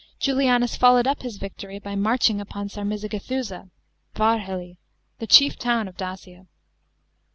Jnliinus followed up his victory by marching upon Sarmizegethusa (Varhely), the chief town of Dacia.